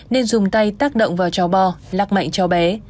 lắc động vào cháu bò lắc mạnh cháu bé